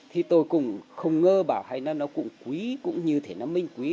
thì tôi cũng không ngơ bảo hay là nó cũng quý cũng như thế nó mình quý